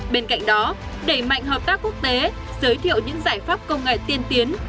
bên cạnh đó đẩy mạnh hợp tác quốc tế giới thiệu những giải pháp công nghệ tiên tiến